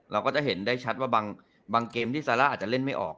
เราก็จะเห็นได้ชัดว่าบางเกมที่ซาร่าอาจจะเล่นไม่ออก